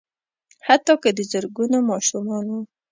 حتا که د زرګونو ماشومانو